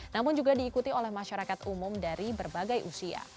namun juga diikuti oleh masyarakat umum dari berbagai usia